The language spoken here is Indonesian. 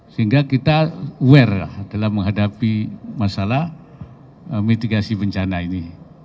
sehingga kita aware lah dalam menghadapi masalah mitigasi bencana ini